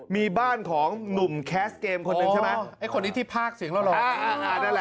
มีบ้านของหนุ่มแคสเกมคนหนึ่งใช่ไหมโอ้ไอ้คนนี้ที่ภาคเสียงล่อ